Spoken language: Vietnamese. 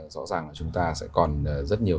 rõ ràng là chúng ta sẽ còn rất nhiều